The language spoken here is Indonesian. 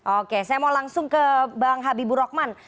oke saya mau langsung ke bang habibur rahman